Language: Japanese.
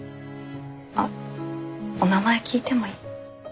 あっお名前聞いてもいい？